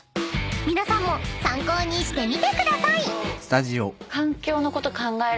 ［皆さんも参考にしてみてください］